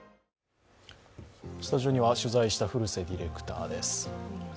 スタジオには取材した古瀬ディレクターです。